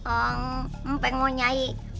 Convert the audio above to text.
eng empeng mau nyai